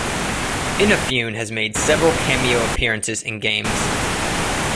Inafune has made several cameo appearances in games.